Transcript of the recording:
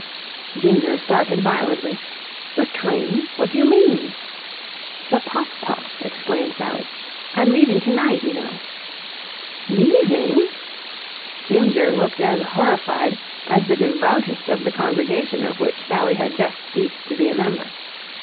Ginger started violently. "Your train? What do you mean?" "The puff puff," explained Sally. "I'm leaving to night, you know." "Leaving?" Ginger looked as horrified as the devoutest of the congregation of which Sally had just ceased to be a member.